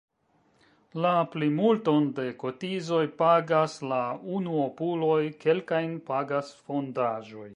La plimulton de la kotizoj pagas la unuopuloj, kelkajn pagas fondaĵoj.